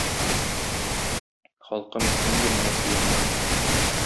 Халкым, нинди моңлы көең бар.